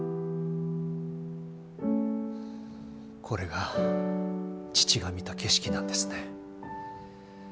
これが父が見た景色なんですね。